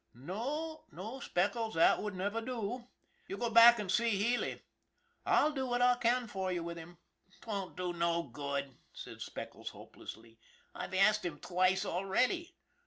" No, no, Speckles, that would never do. You go back and see Healy. I'll do what I can for you with him." " 'Twon't do no good," said Speckles hopelessly. " I've asked him twice already."